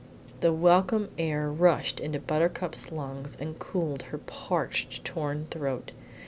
The welcome air rushed into Buttercup's lungs and cooled her parched, torn throat.